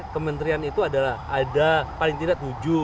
kementerian itu adalah ada paling tidak tujuh